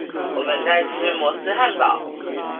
我們在吃摩斯漢堡